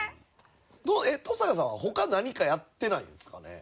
登坂さんは他何かやってないんですかね？